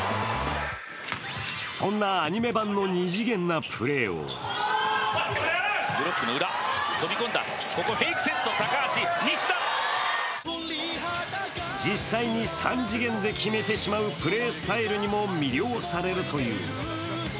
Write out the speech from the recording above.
そんなアニメ版の二次元なプレーを実際に３次元で決めてしまうプレースタイルにも魅了されるという。